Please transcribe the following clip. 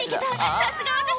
さすが私！」